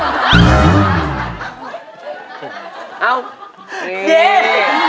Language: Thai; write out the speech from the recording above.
เอ้านี่